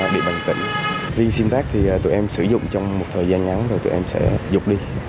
địa bàn tỉnh riêng sim rác thì tụi em sử dụng trong một thời gian ngắn rồi tụi em sẽ dục đi